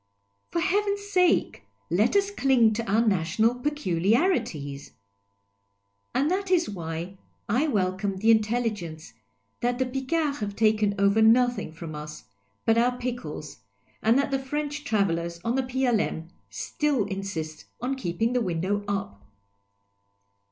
For heaven's sake, let us cling to our national peculiari ties ! And that is why I welcome the intelligence that the Picards have taken ov^er nothing from us but our pickles, and that the French travellers on the P.L.M. still insist on keeping the window up.